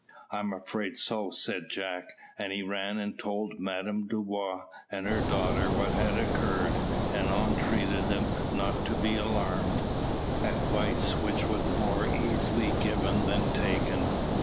"I am afraid so," said Jack, and he ran and told Madame Dubois and her daughter what had occurred, and entreated them not to be alarmed advice which was more easily given than taken.